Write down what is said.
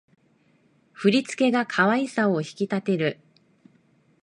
振り付けが可愛さを引き立てる